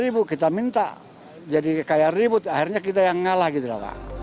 rp lima kita minta jadi kayak ribut akhirnya kita yang ngalah gitu